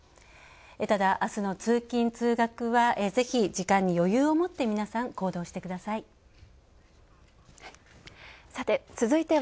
ただ、あすの通勤・通学は、ぜひ時間に余裕を持って皆さん、行動してください。